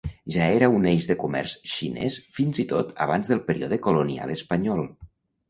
Ja era un eix del comerç xinès fins i tot abans del període colonial espanyol.